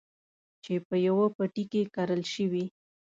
چې په يوه پټي کې کرل شوي.